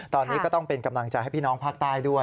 ตอนนี้ก็ต้องเป็นกำลังใจให้พี่น้องภาคใต้ด้วย